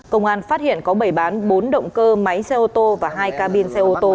công an phát hiện có bày bán bốn động cơ máy xe ô tô và hai ca bin xe ô tô